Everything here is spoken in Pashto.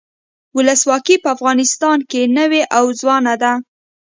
ولسواکي په افغانستان کې نوي او ځوانه ده.